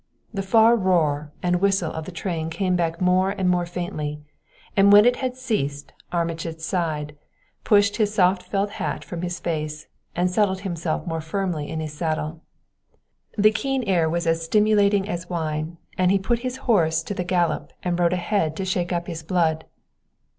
The far roar and whistle of the train came back more and more faintly, and when it had quite ceased Armitage sighed, pushed his soft felt hat from his face, and settled himself more firmly in his saddle. The keen air was as stimulating as wine, and he put his horse to the gallop and rode ahead to shake up his blood.